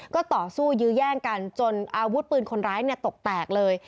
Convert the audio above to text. ก็ต่อสู้ยื้อแย่งกันจนอาวุธปืนคนร้ายตกแตกเลย